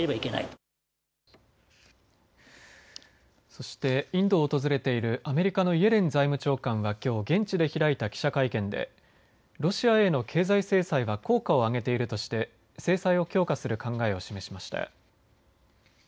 そして、インドを訪れているアメリカのイエレン財務長官はきょう現地で開いた記者会見でロシアへの経済制裁は効果をあげているとして制裁を強化する考えを示しました。